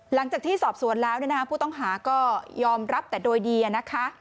หลังจากที่สอบสวนแล้วผู้ต้องหาก็ยอมรับแต่โดยดีนะคะ